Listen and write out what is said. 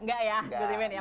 nggak ya gus imin ya